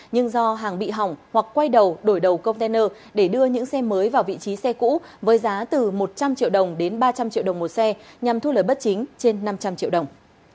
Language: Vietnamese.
nhưng do hàng bị hỏng hoặc quay đầu đổi đầu container để đưa những xe mới vào vị trí xe cũ với giá từ một trăm linh triệu đồng đến ba trăm linh triệu đồng một xe nhằm thu lời bất chính trên năm trăm linh triệu đồng